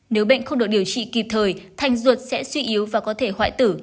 nếu bệnh không được điều trị kịp thời thanh ruột sẽ suy yếu và có thể hoại tử